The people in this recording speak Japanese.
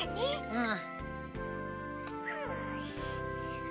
うん。